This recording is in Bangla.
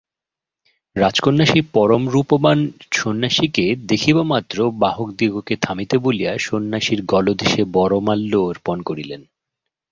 রাজকন্যা সেই পরমরূপবান সন্ন্যাসীকে দেখিবামাত্র বাহকদিগকে থামিতে বলিয়া সন্ন্যাসীর গলদেশে বরমাল্য অর্পণ করিলেন।